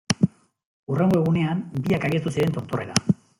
Hurrengo egunean, biak abiatu ziren tontorrera.